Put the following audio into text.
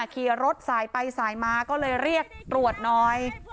ขี่รถสายไปสายมาก็เลยเรียกตรวจหน่อย